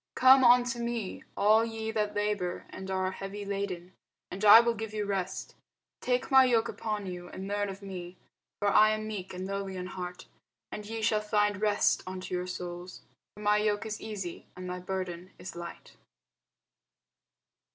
Come unto me, all ye that labour and are heavy laden, and I will give you rest. Take my yoke upon you, and learn of me; for I am meek and lowly in heart: and ye shall find rest unto your souls. For my yoke is easy, and my burden is light.